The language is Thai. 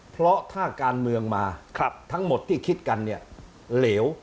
เพราะถ้าการเมืองมาทั้งหมดที่คิดกันเนี่ยเหลว